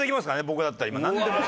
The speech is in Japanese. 僕だったら今なんでも。